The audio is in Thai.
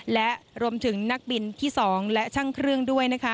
และรวมถึงนักบินที่๒และช่างเครื่องด้วยนะคะ